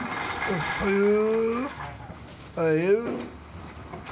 おはよう。